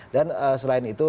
dan selain itu